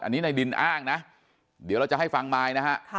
อันนี้ในดินอ้างนะเดี๋ยวเราจะให้ฟังมายนะฮะ